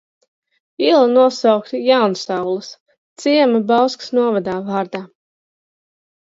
Iela nosaukta Jaunsaules – ciema Bauskas novadā – vārdā.